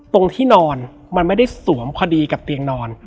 ตรงที่นอนมันไม่ได้สวมพอดีกับเตียงนอน